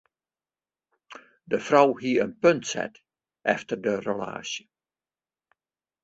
De frou hie in punt set efter de relaasje.